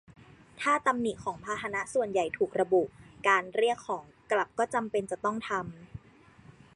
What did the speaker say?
ถ้าตำหนิของพาหนะส่วนใหญ่ถูกระบุ การเรียกของกลับก็จำเป็นจะต้องทำ